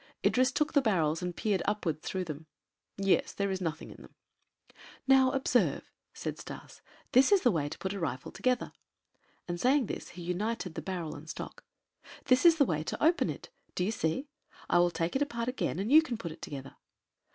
Idris took the barrels and peered upwards through them. "Yes, there is nothing in them." "Now observe," said Stas. "This is the way to put a rifle together" (and saying this he united the barrel and stock). "This is the way to open it. Do you see? I will take it apart again and you can put it together."